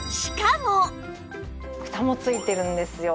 フタも付いてるんですよ。